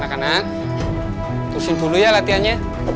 anak anak tusun dulu ya latihannya